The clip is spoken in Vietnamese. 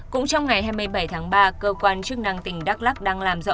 cũng trong ngày hai mươi bảy tháng ba cơ quan chức năng tỉnh đắk lắc đang làm rõ